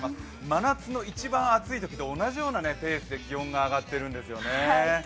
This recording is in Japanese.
真夏の一番暑いときと同じようなペースで気温が上がっているんですよね。